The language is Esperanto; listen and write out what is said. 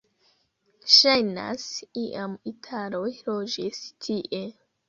Ŝajnas, iam italoj loĝis tie.